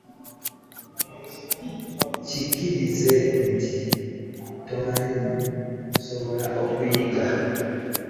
Kkiriza nti tomanyi osobole okuyiga.